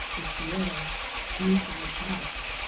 — The Siarra.— View from tha Top.